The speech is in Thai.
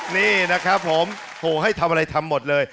นี่นะครับผมโหให้ทำอะไรทำหมดเลย